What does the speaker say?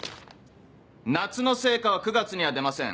夏の成果は９月には出ません。